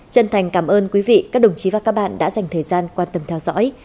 chân thành cảm ơn quý vị các đồng chí và các bạn đã dành thời gian quan tâm theo dõi